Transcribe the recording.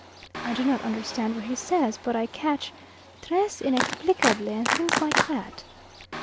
I do not understand what he says, but I catch "tres inexplicable" and things like that.